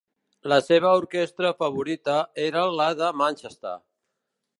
La seva orquestra favorita era la de Manchester.